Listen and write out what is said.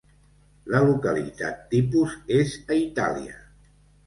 La localitat tipus és a Itàlia.